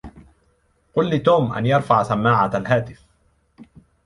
قل لتوم أن يرفع سماعة الهاتف.